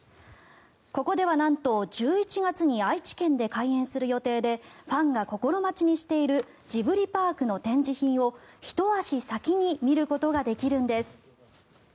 ここではなんと１１月に愛知県で開園する予定でファンが心待ちにしているジブリパークの展示品をひと足先に見ることができるんです。